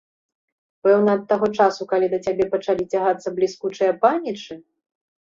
Пэўна, ад таго часу, калі да цябе пачалі цягацца бліскучыя панічы?